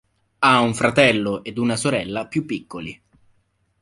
Ha un fratello ed una sorella più piccoli.